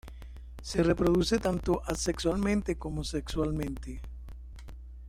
Se reproduce tanto asexualmente como sexualmente.